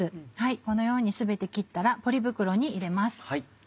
このように全て切ったらポリ袋に入れます。